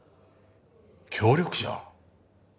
協力者？